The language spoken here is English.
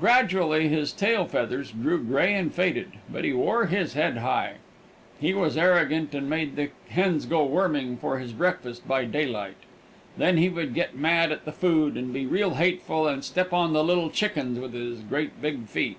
Gradually his tail feathers grew gray and faded, but he wore his head high. He was arrogant and made the hens go worming for his breakfast by daylight. Then he would get mad at the food and be real hateful and step on the little chickens with his great big feet.